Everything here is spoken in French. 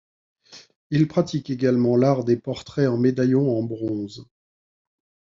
Il pratique également l’art des portraits en médaillons en bronze.